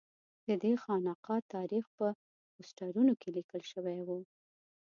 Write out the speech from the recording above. ددې خانقا تاریخ په پوسټرونو کې لیکل شوی و.